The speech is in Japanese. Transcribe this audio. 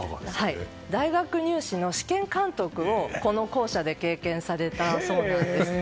大学入試の試験監督をこの校舎で経験されたそうなんです。